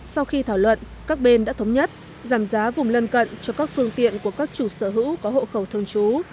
sau khi thảo luận các bên đã thống nhất giảm giá vùng lân cận cho các phương tiện của các chủ sở hữu có hộ khẩu thường trú